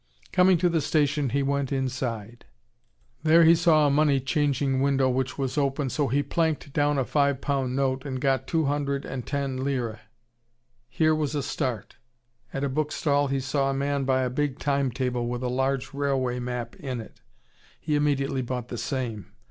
Coming to the station, he went inside. There he saw a money changing window which was open, so he planked down a five pound note and got two hundred and ten lire. Here was a start. At a bookstall he saw a man buy a big timetable with a large railway map in it. He immediately bought the same.